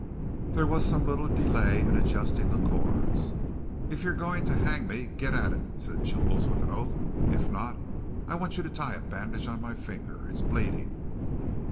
There was some little delay in adjusting the cords. "If you're going to hang me, get at it!" said Jules with an oath; "if not, I want you to tie a bandage on my finger; it's bleeding."